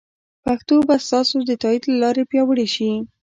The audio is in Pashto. پښتو به ستاسو د تایید له لارې پیاوړې شي.